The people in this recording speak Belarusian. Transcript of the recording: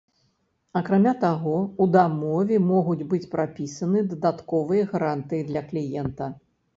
Акрамя таго, у дамове могуць быць прапісаны дадатковыя гарантыі для кліента.